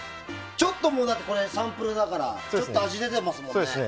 ちょっとこれ、サンプルだから味出てますもんね。